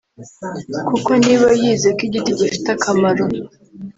kuko niba yize ko igiti gifite akamaro